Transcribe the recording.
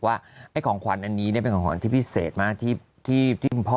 ว่าไอ้ของขวัญอันนี้เป็นของขวัญที่พิเศษมากที่คุณพ่อ